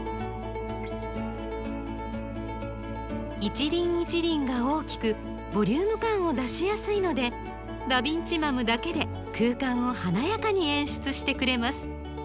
一輪一輪が大きくボリューム感を出しやすいのでダヴィンチマムだけで空間を華やかに演出してくれます。